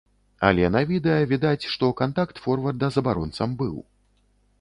Але на відэа відаць, што кантакт форварда з абаронцам быў.